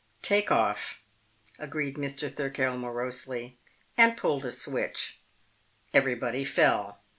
"Takeoff," agreed Mr. Thirkell morosely, and pulled a switch. Everybody fell.